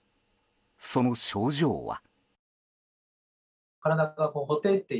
その症状は。